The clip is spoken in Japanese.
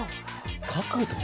角度？